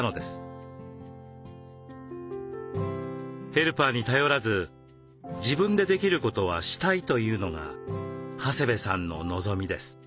ヘルパーに頼らず自分でできることはしたいというのが長谷部さんの望みです。